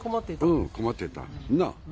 うん、困ってた。なぁ？